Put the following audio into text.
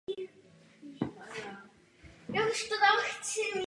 Vystudoval psychologii na Filozofické fakultě Univerzity Karlovy v Praze.